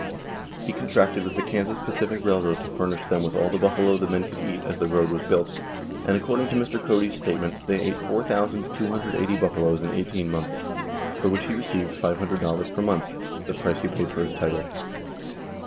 He contracted with the Kansas Pacific railroad to furnish them with all the buffalo the men could eat as the road was built; and, according to Mr. Cody's statement, they ate 4,280 buffaloes in eighteen months, for which he received $500 per month, "the price he paid for his title."